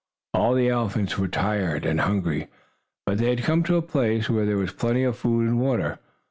All the elephants were tired, and hungry. But they had come to a place where there was plenty of food and water.